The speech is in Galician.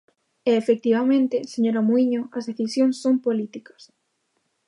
E efectivamente, señora Muíño, as decisións son políticas.